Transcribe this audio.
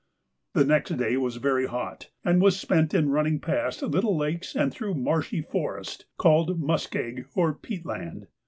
The next day was very hot, and was spent in running past little lakes and through marshy forest, called 'muskeg' or peat land.